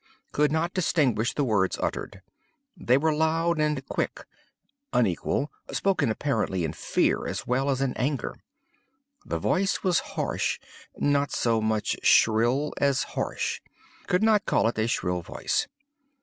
Could not distinguish the words uttered. They were loud and quick—unequal—spoken apparently in fear as well as in anger. The voice was harsh—not so much shrill as harsh. Could not call it a shrill voice.